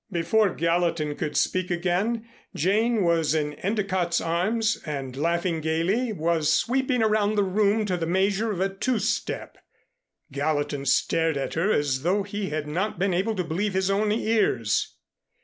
Before Gallatin could speak again, Jane was in Endicott's arms, and laughing gayly, was sweeping around the room to the measure of a two step. Gallatin stared at her as though he had not been able to believe his own ears.